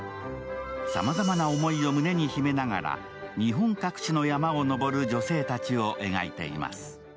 さまざまな思いを胸に秘めながら、日本各地の山を登る女性たちを描いています。